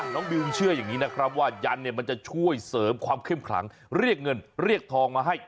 บิวเชื่ออย่างนี้นะครับว่ายันเนี่ยมันจะช่วยเสริมความเข้มขลังเรียกเงินเรียกทองมาให้